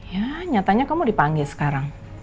ya nyatanya kamu dipanggil sekarang